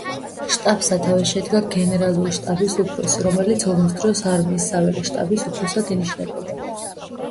შტაბს სათავეში ედგა გენერალური შტაბის უფროსი, რომელიც ომის დროს არმიის საველე შტაბის უფროსად ინიშნებოდა.